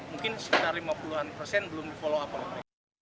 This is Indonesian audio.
mungkin sekitar lima puluh an persen belum di follow up oleh mereka